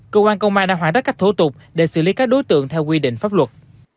cơ quan công an đã hoàn tất các thủ tục để xử lý các đối tượng theo quy định pháp luật